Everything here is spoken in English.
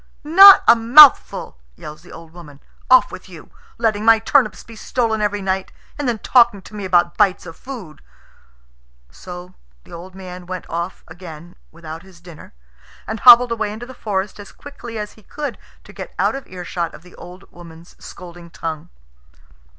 "Not a mouthful!" yells the old woman. "Off with you. Letting my turnips be stolen every night, and then talking to me about bites of food!" So the old man went off again without his dinner, and hobbled away into the forest as quickly as he could to get out of earshot of the old woman's scolding tongue.